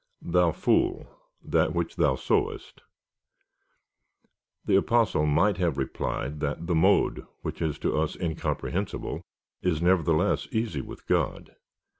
Thou fool, that which thou soivest The Apostle might have replied, that the mode, which is to us incomprehensible, is nevertheless easy with God.